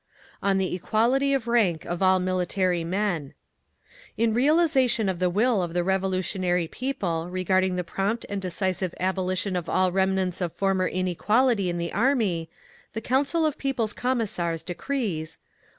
On the Equality of Rank of All Military Men In realisation of the will of the revolutionary people regarding the prompt and decisive abolition of all remnants of former inequality in the Army, the Council of People's Commissars decrees: 1.